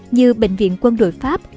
như bệnh viện quân đội pháp